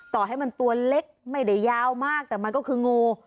ต่อให้มันตัวเล็กไม่ได้ยาวมากแต่มันก็คืองู